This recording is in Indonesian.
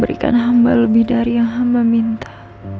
berikan hamba lebih dari yang hamba minta